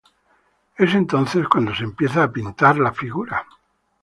Es entonces cuando se empieza a pintar la figura.